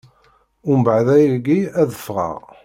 Mbeɛd ayagi, ad ffɣeɣ.